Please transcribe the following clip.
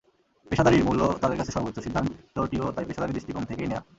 পেশাদারির মূল্য তাঁদের কাছে সর্বোচ্চ, সিদ্ধান্তটিও তাই পেশাদারি দৃষ্টিকোণ থেকেই নেওয়া।